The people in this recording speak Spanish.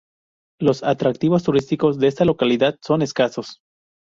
Los atractivos turísticos de esta localidad son escasos.